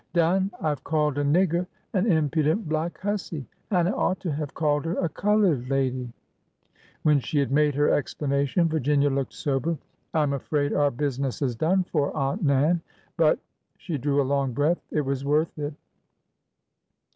Done ? I \e called a nigger an impudent black hussy ! and I ought to have called her a colored lady !'' When she had made her explanation Virginia looked sober. ''I'm afraid our business is done for. Aunt Nan} But ''—she drew a long breath—" it was worth it!